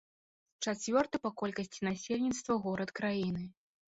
Чацвёрты па колькасці насельніцтва горад краіны.